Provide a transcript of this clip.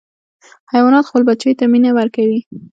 حیوانات خپلو بچیو ته مینه ورکوي.